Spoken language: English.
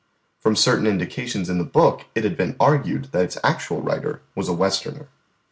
From certain indications in the book it had been argued that its actual writer was a Westerner.